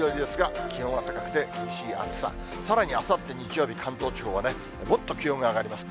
さらにあさって日曜日、関東地方はもっと気温が上がります。